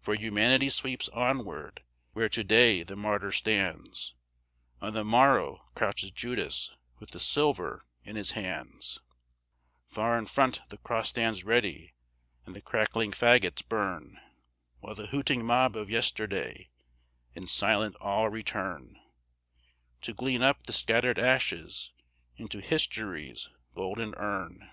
For Humanity sweeps onward: where to day the martyr stands, On the morrow crouches Judas with the silver in his hands; Far in front the cross stands ready and the crackling fagots burn, While the hooting mob of yesterday in silent awe return To glean up the scattered ashes into History's golden urn.